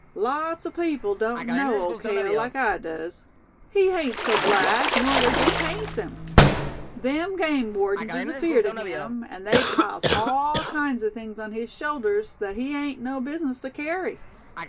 "Lot's o' people doan't know Ole Cale like I does. He hain't so black nor they jes' paints him. Them game wardens is afeerd o' him, and they piles all kinds o' things on his shoulders thet he hain't no business to kerry."